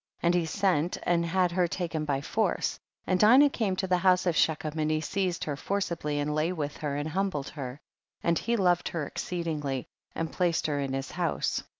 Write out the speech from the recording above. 11. And he sent and had her taken by force, and Dinah came to the house of Shechem and he seiz ed her forcibly and lay with her and humbled* her, and he loved her ex ceedingly and placed her in his house.